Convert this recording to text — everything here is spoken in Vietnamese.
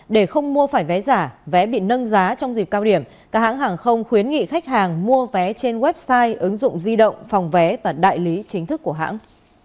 để không mua phải vé giả vé bị nâng giá trong dịp cao điểm các hãng hàng không khuyến nghị khách hàng mua vé trên website ứng dụng di động phòng vé và đại lý chính thức của hãng